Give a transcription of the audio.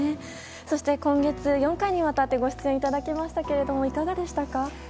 そして今月、４回にわたってご出演いただきましたけれどもいかがでしたか？